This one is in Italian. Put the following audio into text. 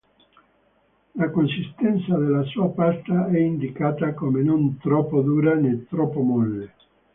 La consistenza della sua pasta è indicata come non troppo dura né troppo molle.